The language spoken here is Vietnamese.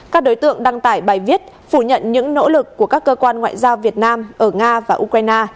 các đối tượng đăng tải bài viết phủ nhận những nỗ lực của các cơ quan ngoại giao việt nam ở nga và ukraine